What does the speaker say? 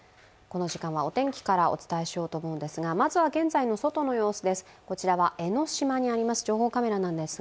この時間は、お天気からお伝えしようと思うんですが、まずは現在の外の様子です。